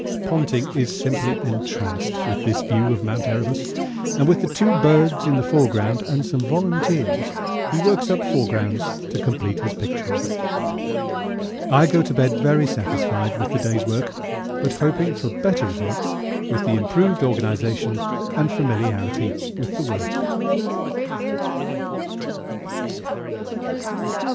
Ponting is simply entranced with this view of Mt. Erebus, and with the two bergs in the foreground and some volunteers he works up foregrounds to complete his picture of it. I go to bed very satisfied with the day's work, but hoping for better results with the improved organisation and familiarity with the work.